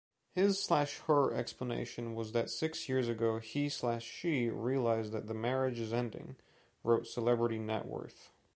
His/her explanation was that six years ago he/she realized that the marriage is ending, wrote CelebrityNetWorth.